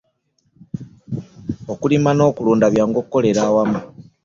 Okulima n'okulunda byangu kukolera wamu.